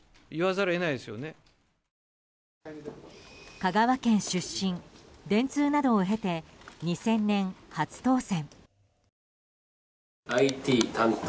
香川県出身、電通などを経て２０００年初当選。